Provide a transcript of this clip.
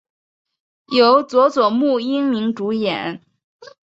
由佐佐木英明主演。